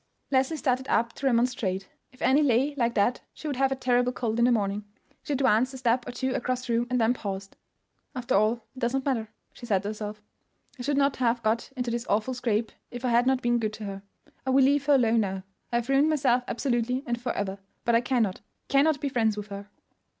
Leslie started up to remonstrate. If Annie lay like that she would have a terrible cold in the morning. She advanced a step or two across the room, and then paused. "After all, it does not matter," she said to herself. "I should not have got into this awful scrape if I had not been good to her. I will leave her alone now. I have ruined myself absolutely and for ever; but I cannot—cannot be friends with her."